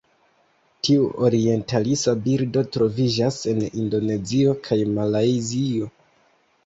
Tiu orientalisa birdo troviĝas en Indonezio kaj Malajzio.